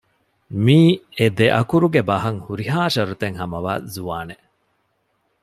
މީ އެދެއަކުރުގެ ބަހަށް ހުރިހާ ޝަރުތެއް ހަމަވާ ޒުވާނެއް